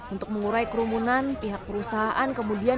untuk mengurai kerumunan pihak perusahaan kemudian